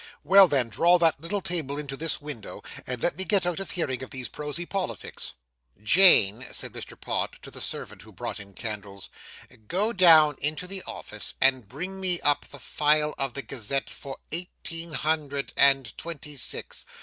'Well, then, draw that little table into this window, and let me get out of hearing of those prosy politics.' 'Jane,' said Mr. Pott, to the servant who brought in candles, 'go down into the office, and bring me up the file of the Gazette for eighteen hundred and twenty six.